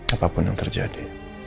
apapun yang terjadi